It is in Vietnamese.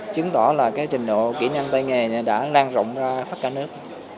chứng tỏ là cái trình độ kỹ năng tay nghề đã lan rộng ra khắp cả nước